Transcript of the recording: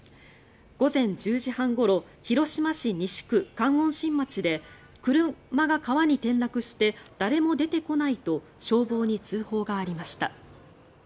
午前１０時半ごろ広島市西区観音新町で車が川に転落して誰も出てこないと消防に通報がありました。